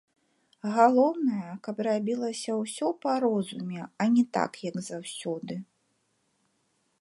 Галоўнае, каб рабілася ўсё па розуме, а не так, як заўсёды.